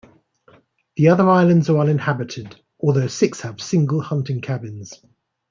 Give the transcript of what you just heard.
The other islands are uninhabited, although six have single hunting cabins.